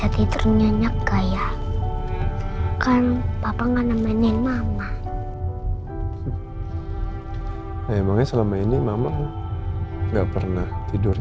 tapi sekarang aku mau ngerti